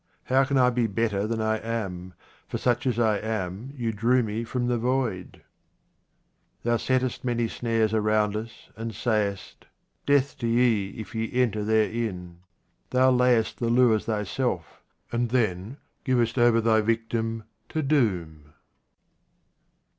How can I be better than I am, for such as I am you drew me from the void ? 39 QUATRAINS OF OMAR KHAYYAM Thou settest many snares around us, and sayest, " Death to ye if ye enter therein." Thou layest the lures Thyself, and then givest over Thy victim to doom.